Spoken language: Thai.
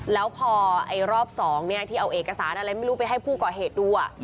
แล้วพอรอบ๒ที่เอาเอกสารอะไรไม่รู้ไปให้ผู้ก่อเหตุดู